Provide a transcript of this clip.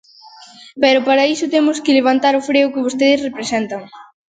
Pero para iso temos que levantar o freo que vostedes representan.